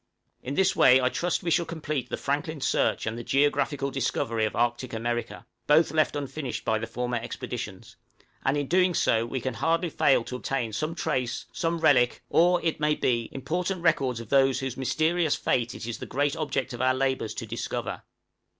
In this way I trust we shall complete the Franklin search and the geographical discovery of Arctic America, both left unfinished by the former expeditions; and in so doing we can hardly fail to obtain some trace, some relic, or, it may be, important records of those whose mysterious fate it is the great object of our labors to discover.